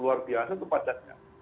luar biasa tuh pacarnya